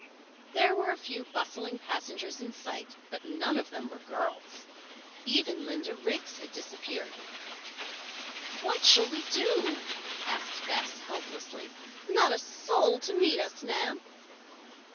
There were a few bustling passengers in sight, but none of them were girls. Even Linda Riggs had disappeared. "What shall we do?" asked Bess, helplessly. "Not a soul to meet us, Nan!"